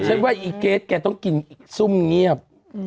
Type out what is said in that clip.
ฉันว่าอีเกสแกต้องกินอีกซุ่มเงียบ